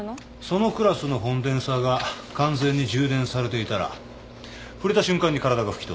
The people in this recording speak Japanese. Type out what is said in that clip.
そのクラスのコンデンサーが完全に充電されていたら触れた瞬間に体が吹き飛ぶ。